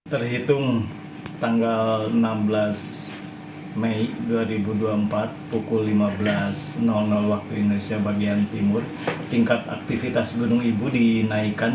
terhitung tanggal enam belas mei dua ribu dua puluh empat pukul lima belas waktu indonesia bagian timur tingkat aktivitas gunung ibu dinaikkan